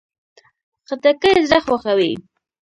خټکی زړه خوښوي.